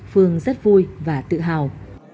phương rất vui và tự hào